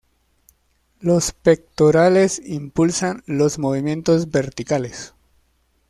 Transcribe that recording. Las pectorales impulsan los movimientos verticales.